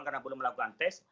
karena belum melakukan tes